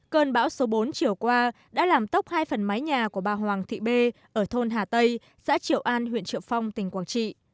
cơn bão số bốn chiều qua đã làm tốc hai phần mái nhà của bà hoàng thị bê ở thôn hà tây xã triệu an huyện triệu phong tỉnh quảng trị